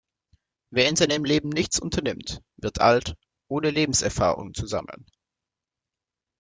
Wer in seinem Leben nichts unternimmt, wird alt, ohne Lebenserfahrung zu sammeln.